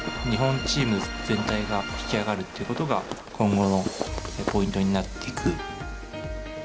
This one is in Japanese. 日本チーム全体が引き上がるっていうことが今後のポイントになっていく。